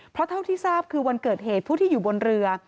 เพราะเท่าที่ทราบคือวันเกิดเหตุผู้ที่อยู่บนเรือ